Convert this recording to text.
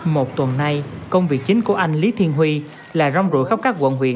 một tuần nay công việc chính của anh lý thiên huy là rong rủi khắp các quận huyện